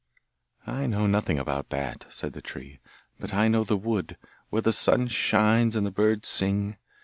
'I know nothing about that,' said the tree. 'But I know the wood, where the sun shines, and the birds sing.